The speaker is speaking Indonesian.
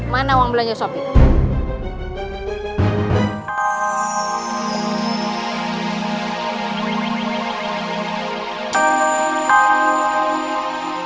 mana uang belanja sob itu